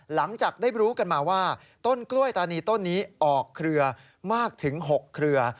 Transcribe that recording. หลังจากได้รู้กันมาว่าต้นกล้วยตานีต้นนี้ออกเครือมากถึง๖เครือ